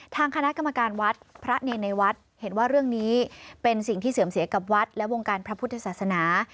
ทางคณะกรรมการวัดพระเนรในวัดเห็นว่าเรื่องนี้เป็นสิ่งที่เสื่อมเสียกับวัดและวงการพระพุทธศาสนา